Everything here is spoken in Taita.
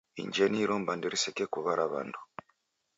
Injenyi iro mbande risekekuw'ara w'andu.